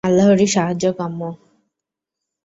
আল্লাহরই সাহায্য কাম্য।